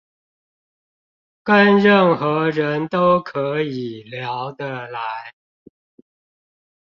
跟任何人都可以聊得來